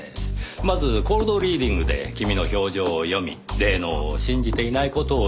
まずコールドリーディングで君の表情を読み霊能を信じていない事を言い当てる。